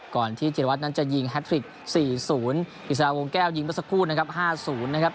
ก่อนที่ธิรวัตต์นั้นจะยิง๔๐อีก๓วงแก้วยิงเมื่อก็สักสักครู่นะครับ